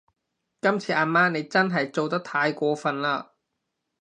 今次阿媽你真係做得太過份喇